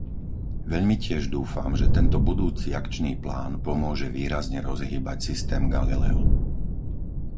Veľmi tiež dúfam, že tento budúci akčný plán pomôže výrazne rozhýbať systém Galileo.